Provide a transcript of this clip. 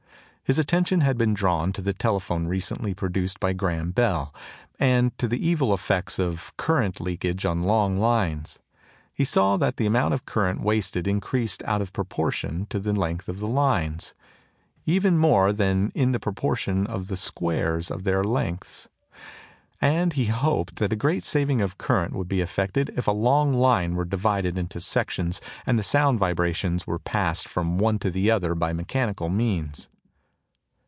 His attention had been drawn to the telephone recently produced by Graham Bell, and to the evil effects of current leakage in long lines. He saw that the amount of current wasted increased out of proportion to the length of the lines even more than in the proportion of the squares of their lengths and he hoped that a great saving of current would be effected if a long line were divided into sections and the sound vibrations were passed from one to the other by mechanical means.